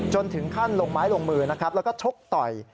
จนถึงขั้นลงไม้ลงมือแล้วก็ชกต่อย